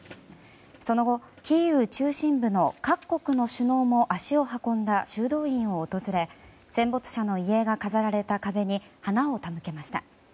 その後、キーウ中心部の各国の首脳も足を運んだ修道院を訪れ戦没者の遺影が飾られた壁に花を手向けました。